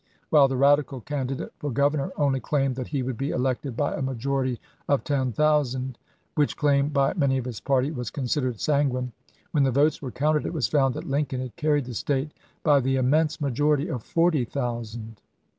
While the Eadical candidate for governor only claimed that he would be elected by a majority of ten thousand, which claim by many of his party was considered sanguine, when the votes were counted it was found that Lincoln had carried the State by the immense majority of forty thousand.